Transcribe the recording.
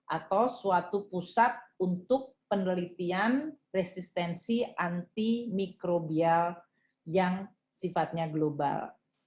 atau suatu pusat untuk penelitian resistensi anti mikrobial yang sifatnya global